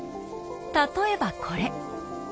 例えばこれ。